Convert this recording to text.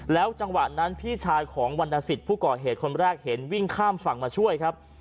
จังหวะนั้นพี่ชายของวรรณสิทธิ์ผู้ก่อเหตุคนแรกเห็นวิ่งข้ามฝั่งมาช่วยครับ